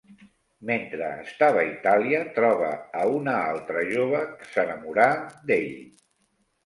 Mentre estava a Itàlia troba a una altra jove, que s'enamorà d'ell.